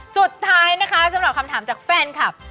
สุดท้ายนะคะสำหรับคำถามจากแฟนคลับ